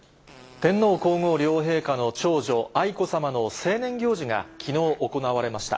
天皇皇后両陛下の長女、愛子さまの成年行事がきのう行われました。